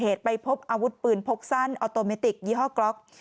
ไปพบอาวุธปืนพกสั้นออโตเมติกยี่ห้อกล็อก